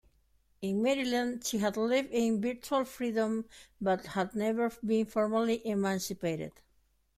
In Maryland, she had lived in virtual freedom but had never been formally emancipated.